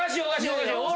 おかしい。え！？